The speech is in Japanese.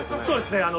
そうですね。